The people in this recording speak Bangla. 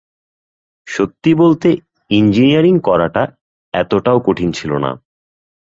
সত্যি বলতে ইঞ্জিনিয়ারিং করাটা এতটাও কঠিন ছিল না।